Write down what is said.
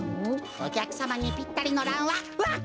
おきゃくさまにぴったりのランはわか蘭です！